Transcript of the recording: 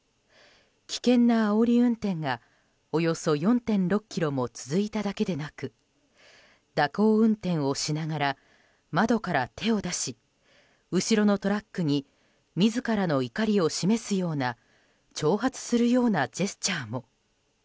危険なあおり運転がおよそ４．６ｋｍも続いただけでなく蛇行運転をしながら窓から手を出し後ろのトラックに自らの怒りを示すような挑発するようなジェスチャーも。